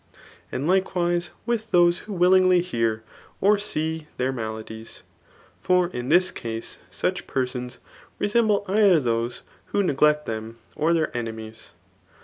And likewise with those who [willingly] hear or see their maladies ; for in this case, such persons resemble either those who ne glect them, or their enemies.